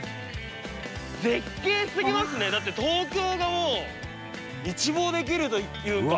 絶景すぎますね、だって東京がもう、一望できるというか。